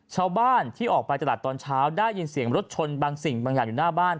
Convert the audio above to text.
ชาวบ้านที่ออกไปตลาดตอนเช้าได้ยินเสียงรถชนบางสิ่งบางอย่างอยู่หน้าบ้าน